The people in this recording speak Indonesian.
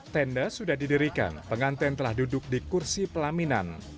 tanda sudah didirikan pengantin telah duduk di kursi pelaminan